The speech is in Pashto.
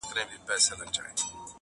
ته مي د ښكلي يار تصوير پر مخ گنډلی